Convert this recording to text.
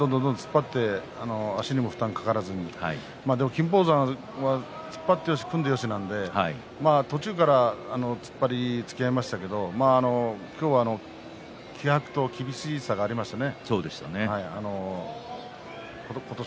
どんどんどんどん突っ張って足も負担がかからずに金峰山は突っ張ってよし組んでよしなので途中から突っ張りにつきあいましたが今日は気迫と厳しさの違いがありましたね。